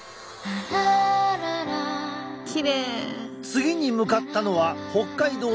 次に向かったのは北海道